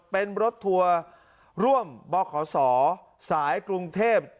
เป็นรถทัวร์ร่วมบขศสายกรุงเทพ